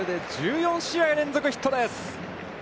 これで１４試合連続ヒットです。